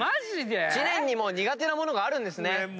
知念にも苦手なものがあるんですね。